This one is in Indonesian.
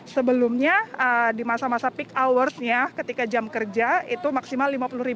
sebelumnya di masa masa peak hoursnya ketika jam kerja itu maksimal lima puluh